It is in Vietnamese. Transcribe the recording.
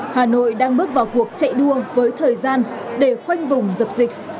hà nội đang bước vào cuộc chạy đua với thời gian để khoanh vùng dập dịch